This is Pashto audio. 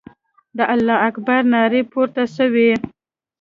د الله اکبر نارې پورته سوې.